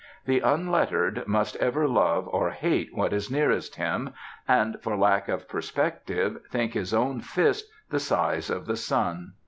The unlettered must ever love or hate what is nearest him, and, for lack of perspective, think his own fist the size of the sun.